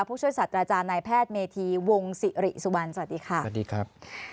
ผู้ช่วยสัตว์อาจารย์นายแพทย์เมธีวงศิริสุวรรณสวัสดีค่ะสวัสดีครับ